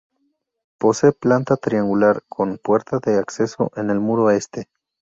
Posee planta triangular, con puerta de acceso en el muro este.